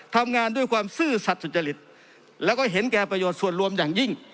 ทำงานด้วยความซื่อสัตว์สุจริตแล้วก็เห็นแก่ประโยชน์ส่วนรวมอย่างยิ่ง